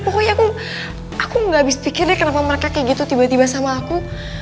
pokoknya aku gak habis pikir deh kenapa mereka kayak gitu tiba tiba sama aku